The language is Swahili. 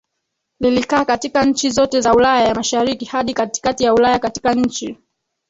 lilikaa katika nchi zote za Ulaya ya Mashariki hadi katikati ya Ulaya Katika nchi